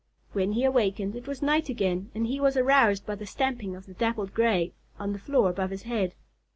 When he awakened, it was night again and he was aroused by the stamping of the Dappled Gray on the floor above his head.